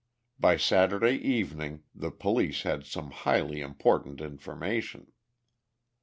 By Saturday evening the police had some highly important information.